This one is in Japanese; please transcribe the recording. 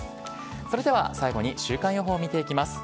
それでは最後に週間予報を見ていきます。